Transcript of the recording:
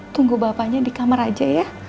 tunggu bapaknya di kamar aja ya